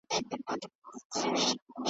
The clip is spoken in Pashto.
زما په زړه یې جادو کړی زما په شعر یې کوډي کړي .